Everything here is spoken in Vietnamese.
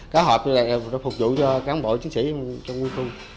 các hợp phục vụ cho cán bộ chiến sĩ trong nguyên khung